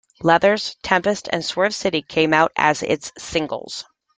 "Leathers", "Tempest" and "Swerve City" came out as its singles.